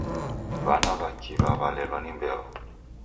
W'ana w'a kiw'a w'alelwa ni mbeo.